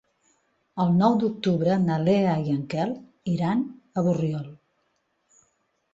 El nou d'octubre na Lea i en Quel iran a Borriol.